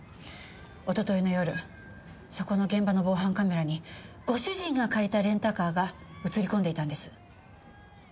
一昨日の夜そこの現場の防犯カメラにご主人が借りたレンタカーが映り込んでいたんです。